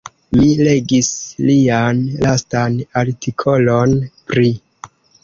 Mi legis lian lastan artikolon pri.